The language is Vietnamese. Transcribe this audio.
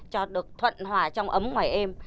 cho được thuận hòa trong ấm ngoài êm